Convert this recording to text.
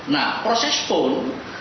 nah proses pun